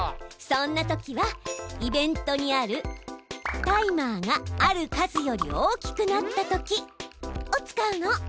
そんな時は「イベント」にある「タイマーがある数より大きくなった時」を使うの。